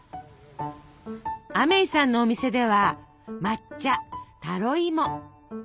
アメイさんのお店では抹茶タロイモチョコレート。